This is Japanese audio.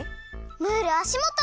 ムールあしもと！